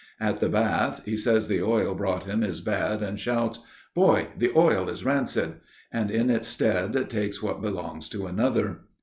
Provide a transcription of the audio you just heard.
At the bath he says the oil brought him is bad, and shouts: "Boy, the oil is rancid;" and in its stead takes what belongs to another.